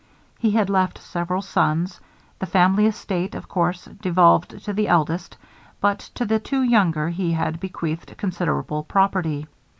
He had left several sons; the family estate, of course, devolved to the eldest, but to the two younger he had bequeathed considerable property.